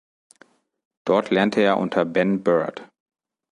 Dort lernte er unter Ben Burtt.